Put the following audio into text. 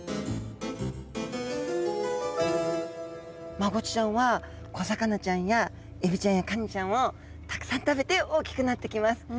マゴチちゃんは小魚ちゃんやエビちゃんやカニちゃんをたくさん食べて大きくなってきます。